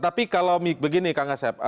tapi kalau begini kang asep